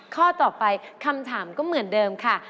ข้อต่อไปคำถามก็เหมือนเดิมค่ะ